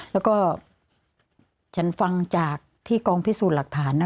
แล้วก็ฉันฟังจากที่กองพิสูจน์หลักฐานนะ